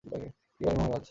কী বলেন মহারাজ?